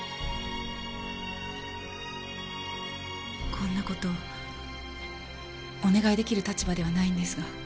こんな事お願い出来る立場ではないんですが。